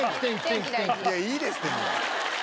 いいですってもう。